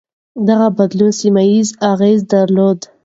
دغه بدلون سيمه ييز اغېز درلود.